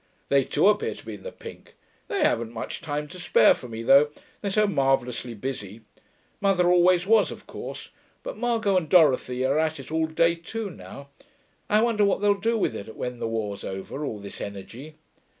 'They too appear to be in the pink. They haven't much time to spare for me, though, they're so marvellously busy. Mother always was, of course; but Margot and Dorothy are at it all day too now. I wonder what they'll do with it when the war's over, all this energy.